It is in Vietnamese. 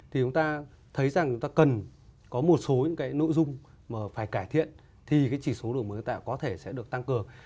thì chúng ta thấy rằng chúng ta cần có một số những cái nội dung mà phải cải thiện thì cái chỉ số đổi mới tạo có thể sẽ được tăng cường